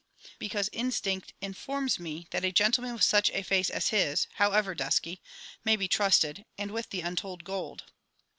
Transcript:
_ Because instinct informs me that a gentleman with such a face as his however dusky may be trusted, and with the untold gold!